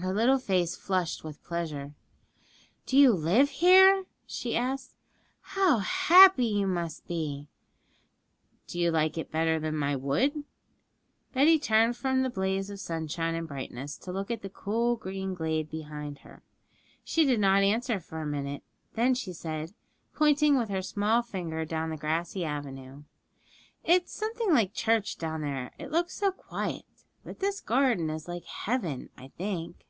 Her little face flushed with pleasure. 'Do you live here?' she asked. 'How happy you must be!' 'Do you like it better than my wood?' Betty turned from the blaze of sunshine and brightness to look at the cool green glade behind her. She did not answer for a minute, then she said, pointing with her small finger down the grassy avenue, 'It's something like church down there, it looks so quiet. But this garden is like heaven, I think.'